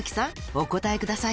お答えください